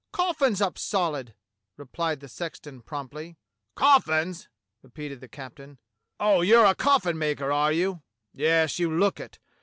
" Coffins up solid," replied the sexton promptly. |( "Coffins!" repeated the captain. "Oh, you're a coffin maker, are you.^ Yes, you look it.